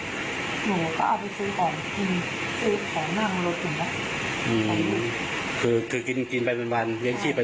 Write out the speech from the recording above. หนูก็เอาไปซื้อของซื้อของนางรถอย่างเด๑๙๔๐